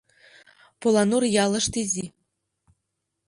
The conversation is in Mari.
Поланур ялышт изи.